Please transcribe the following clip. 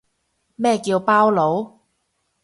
咩叫包佬